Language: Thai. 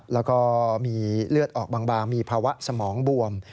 แล้วก็มีเลือดออกบางมีภาวะสมองบวม